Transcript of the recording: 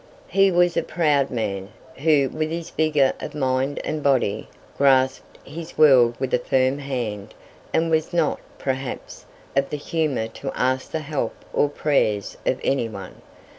He was a proud man, who, with his vigour of mind and body, grasped his world with a firm hand, and was not, perhaps, of the humour to ask the help or prayers of anyone.